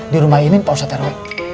di rumah ini pak ustadz rw